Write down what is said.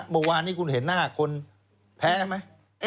เมื่อวานนี้คุณเห็นหน้าคนแพ้ไหม